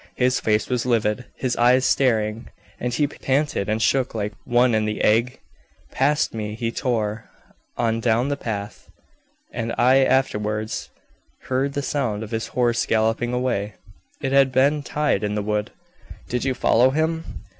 His face was livid, his eyes staring, and he panted and shook like one in the ague. Past me he tore, on down the path, and I afterwards heard the sound of his horse galloping away; it had been tied in the wood." "Did you follow him?"